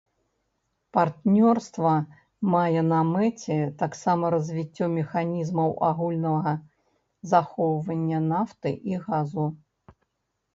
Партнёрства мае на мэце таксама развіццё механізмаў агульнага захоўвання нафты і газу.